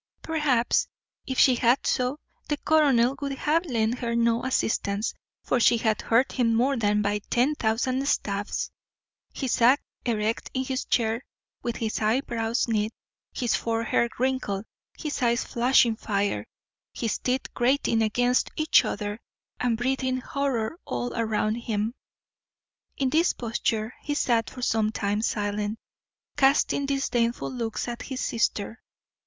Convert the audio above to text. Perhaps, if she had so, the colonel would have lent her no assistance, for she had hurt him more than by ten thousand stabs. He sat erect in his chair, with his eyebrows knit, his forehead wrinkled, his eyes flashing fire, his teeth grating against each other, and breathing horrour all round him. In this posture he sat for some time silent, casting disdainful looks at his sister.